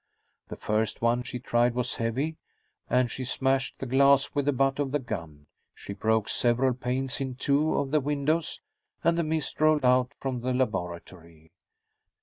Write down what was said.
The first one she tried was heavy, and she smashed the glass with the butt of the gun. She broke several panes in two of the windows, and the mist rolled out from the laboratory.